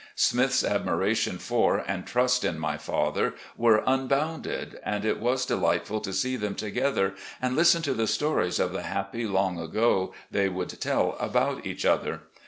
Smith's admiration for and trust in my father were unbounded, and it was delightful to see them together and listen to the stories of the happy long ago they would tell about each other.